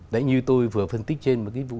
đấy như tôi vừa phân tích trên một cái vụ